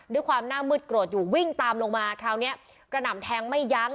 ด้วยความหน้ามืดโกรธอยู่วิ่งตามลงมาคราวนี้กระหน่ำแทงไม่ยั้ง